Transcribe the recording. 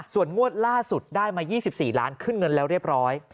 ส่วนงวดล่าสุดได้มา๒๔ล้านขึ้นเงินแล้วเรียบร้อย